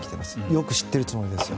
よく知っているつもりです。